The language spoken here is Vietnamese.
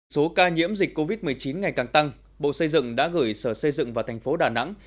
số ca nhiễm dịch covid một mươi chín ngày càng tăng bộ xây dựng đã gửi sở xây dựng vào thành phố đà nẵng